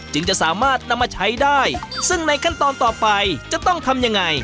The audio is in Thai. จึงจะสามารถนำมาใช้ได้ซึ่งในขั้นตอนต่อไปจะต้องทำยังไง